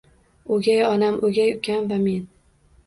O'gay onam, o'gay ukam va men.